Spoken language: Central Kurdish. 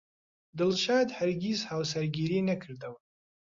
دڵشاد هەرگیز هاوسەرگیری نەکردەوە.